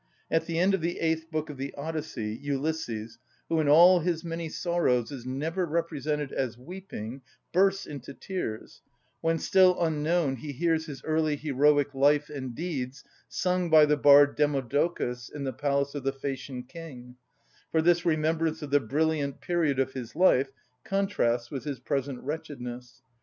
At the end of the eighth book of the "Odyssey," Ulysses, who in all his many sorrows is never represented as weeping, bursts into tears, when, still unknown, he hears his early heroic life and deeds sung by the bard Demodocus in the palace of the Phæacian king, for this remembrance of the brilliant period of his life contrasts with his present wretchedness.